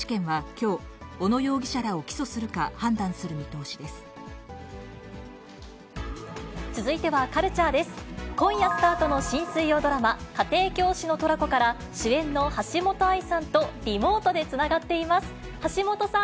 今夜スタートの新水曜ドラマ、家庭教師のトラコから、主演の橋本愛さんとリモートでつながっています。